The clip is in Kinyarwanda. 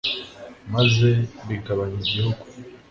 maze bigabanya igihugu